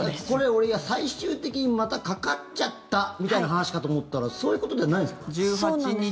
これ、俺、最終的にまたかかっちゃったみたいな話かと思ったらそういうことではないんですか。